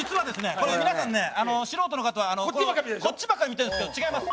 これ皆さんね素人の方はこっちばっかり見てるんですけど違います。